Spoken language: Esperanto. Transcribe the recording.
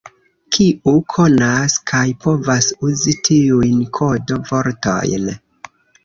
Kiu konas kaj povas uzi tiujn kodo-vortojn?